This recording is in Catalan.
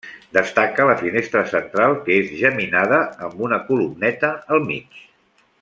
Destaca la finestra central que és geminada amb una columneta al mig.